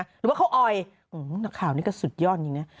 หรือว่าเขาออยหนักข่าวนี้ก็สุดยอดอย่างนี้